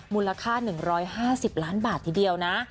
มูลค่า๑๕๐ล้านบาททีเดียวนะ